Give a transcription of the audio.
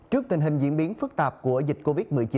trước tình hình diễn biến phức tạp của dịch covid một mươi chín